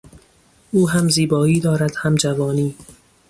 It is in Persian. او هم زیبایی دارد هم جوانی.